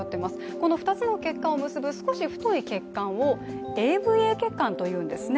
この２つの血管を結ぶ少し太い血管をＡＶＡ血管というんですね。